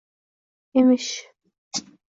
emish...